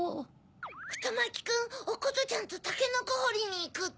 ふとまきくんおことちゃんとたけのこほりにいくって。